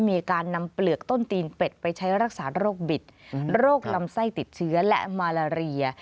มีการนำเปลือกต้นตีนเป็ดไปใช้รักษาโรคบิดโรคลำไส้ติดเชื้อและมาลาเรีย